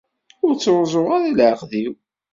Ur ttruẓuɣ ara leɛqed-iw.